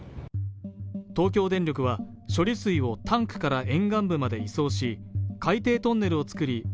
東京電力は処理水をタンクから沿岸部まで移送し海底トンネルを作り